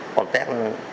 con tét nó